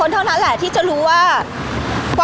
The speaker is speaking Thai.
พี่ตอบได้แค่นี้จริงค่ะ